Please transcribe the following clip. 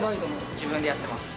自分でやってます。